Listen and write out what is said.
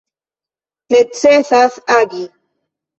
Necesas agi.